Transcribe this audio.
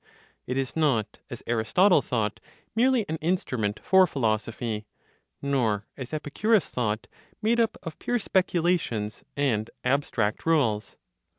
It is not (as Aristotle thought) merely an instrument for philosophy, nor (as Epicurus thought) made up of pure speculations and abstract rules.